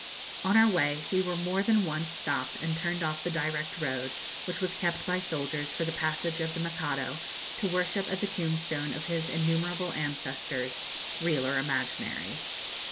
On our way we were more than once stopped and turned off the direct road, which was kept by soldiers for the passage of the Mikado to worship at the tombstone of his innumerable ancestors, real or imaginary.